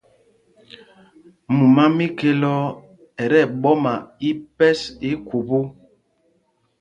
Mumá mí Khɛloo ɛ tí ɛɓɔma ípɛs í khubú.